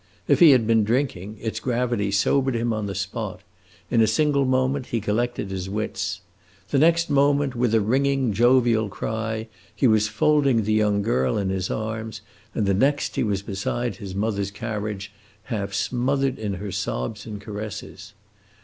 If he had been drinking, its gravity sobered him on the spot; in a single moment he collected his wits. The next moment, with a ringing, jovial cry, he was folding the young girl in his arms, and the next he was beside his mother's carriage, half smothered in her sobs and caresses.